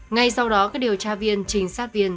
ngay sau đó các điều tra viên trinh sát viên